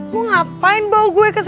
kamu mau pengepas koche kita